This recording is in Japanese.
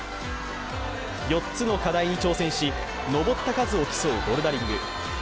４つの課題に挑戦し、登った数を競うボルダリング。